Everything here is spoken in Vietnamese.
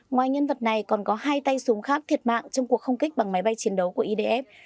ngoài nhân vật này còn có hai tay súng khác thiệt mạng trong cuộc không kích bằng máy bay chiến đấu của idf